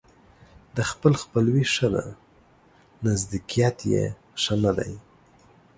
د خپل خپلوي ښه ده ، نژدېکت يې ښه نه دى.